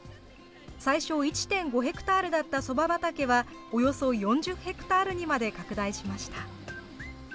最初、１．５ヘクタールだったそば畑はおよそ４０ヘクタールにまで拡大しました。